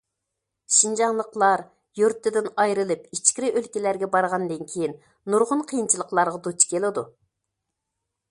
شىنجاڭلىقلار يۇرتىدىن ئايرىلىپ ئىچكىرى ئۆلكىلەرگە بارغاندىن كېيىن نۇرغۇن قىيىنچىلىقلارغا دۇچ كېلىدۇ.